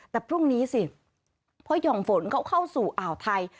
แต่พรุ่งนี้สิเพราะหย่อมฝนเขาเข้าสู่อ่าวไทย